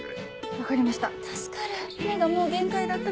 分かりました。